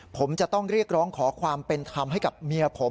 ผมจะต้องเรียกร้องขอความเป็นธรรมให้กับเมียผม